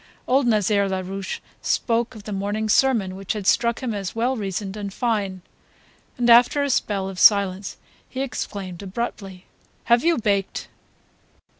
Old Nazaire Larouche spoke of the morning's sermon which had struck him as well reasoned and fine; then after a spell of silence he exclaimed abruptly "Have you baked?"